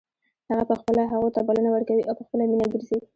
هغه په خپله هغو ته بلنه ورکوي او په خپله مینه ګرځي.